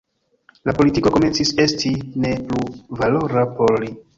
La politiko komencis esti ne plu valora por li.